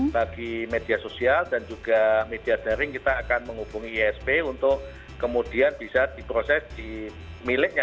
bagi media sosial dan juga media daring kita akan menghubungi isp untuk kemudian bisa diproses di miliknya